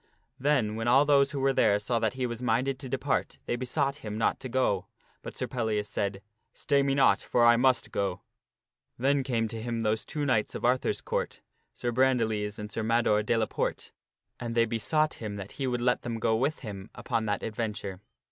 Then when all those who were there saw that he was minded to depart, they besought him not to go, but Sir Pellias said, " Stay me not, for I must go." Then came to him those two knights of Arthur's Court, Sir Brandiles and Sir Mador de la Porte, and they besought him that he would let them 224 THE STORY OF SIR PELL1AS go with him upon that adventure.